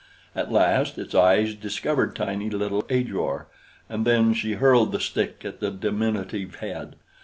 At last its eyes discovered tiny little Ajor, and then she hurled the stick at the diminutive head.